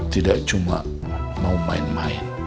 tidak cuma mau main main